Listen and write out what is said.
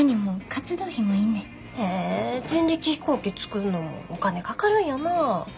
へえ人力飛行機作んのお金かかるんやな。